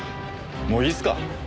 もういいっすか？